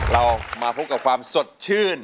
เรามาพบกับความสดชื่น